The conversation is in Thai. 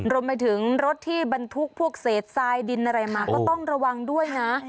รวมไปถึงรถที่บรรทุกพวกเศษทรายดินอะไรมาก็ต้องระวังด้วยนะ